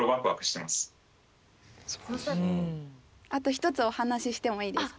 一つお話ししてもいいですか？